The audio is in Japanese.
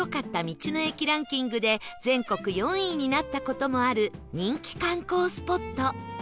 道の駅ランキングで全国４位になった事もある人気観光スポット